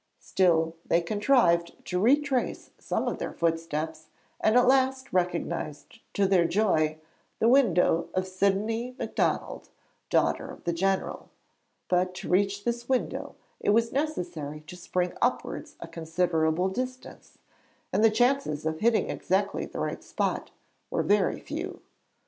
Still, they contrived to retrace some of their footsteps and at last recognised to their joy the window of Sidonie Macdonald, daughter of the general. But to reach this window it was necessary to spring upwards a considerable distance, and the chances of hitting exactly the right spot were very few.